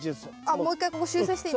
もう一回ここ修正していいんですか？